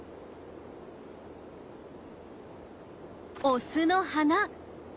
オスの鼻。